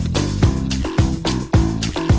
โยกข้างหน้า